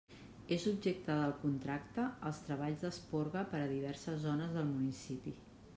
És objecte del contracte els treballs d'esporga per a diverses zones del municipi.